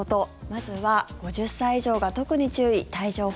まずは５０歳以上が特に注意帯状疱疹。